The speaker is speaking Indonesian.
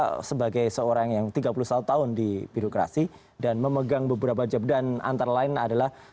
saya sebagai seorang yang tiga puluh satu tahun di birokrasi dan memegang beberapa jabdan antara lain adalah